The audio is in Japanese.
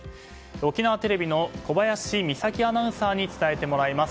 沖縄テレビの小林美沙希アナウンサーに伝えてもらいます。